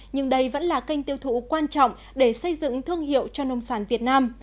nhưng đây vẫn là kênh tiêu thụ quan trọng để xây dựng thương hiệu cho nông sản việt nam